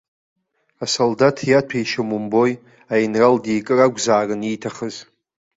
Асолдаҭ диаҭәеишьом умбои, аинрал дикыр акәзаарын ииҭахыз.